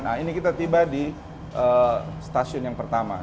nah ini kita tiba di stasiun yang pertama